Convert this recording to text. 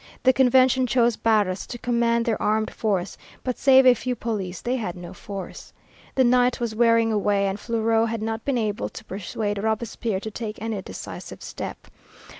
The Convention chose Barras to command their armed force, but save a few police they had no force. The night was wearing away and Fleuriot had not been able to persuade Robespierre to take any decisive step.